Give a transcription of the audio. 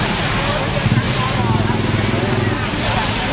สุดท้ายสุดท้ายสุดท้าย